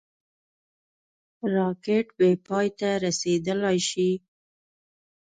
راکټ بېپای ته رسېدلای شي